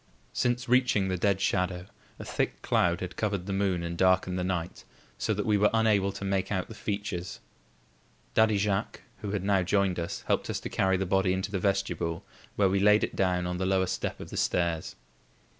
Since reaching the dead shadow, a thick cloud had covered the moon and darkened the night, so that we were unable to make out the features. Daddy Jacques, who had now joined us, helped us to carry the body into the vestibule, where we laid it down on the lower step of the stairs.